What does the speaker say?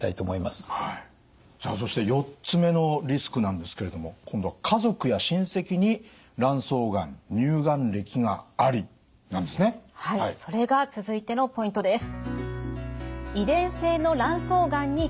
さあそして４つ目のリスクなんですけれども今度はそれが続いてのポイントです。